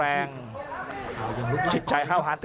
อัศวินาศาสตร์